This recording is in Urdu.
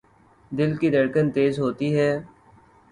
دل کی دھڑکن تیز ہوتی ہے